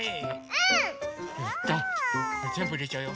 うん！じゃぜんぶいれちゃうよ。